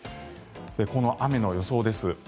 今後の雨の予想です。